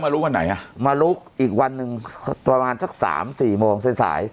มารู้ว่าไหนอ่ะมารู้อีกวันนึงประมาณถึงสามสี่สามท้ายแสดง